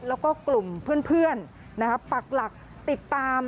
แล้วก็กลุ่มเพื่อนปักหลักติดตาม